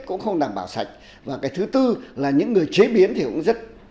cũng không đảm bảo sạch và cái thứ tư là những người chế biến thì cũng rất